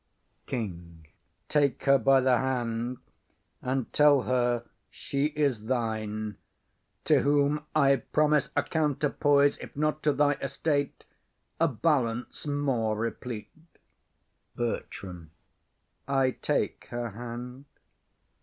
KING. Take her by the hand, And tell her she is thine; to whom I promise A counterpoise; if not to thy estate, A balance more replete. BERTRAM. I take her hand.